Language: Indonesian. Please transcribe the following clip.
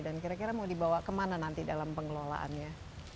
dan kira kira mau dibawa kemana nanti dalam pengelolaannya